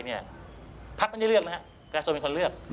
พักไม่ได้เลือกนะครับประชาชนเป็นคนเลือก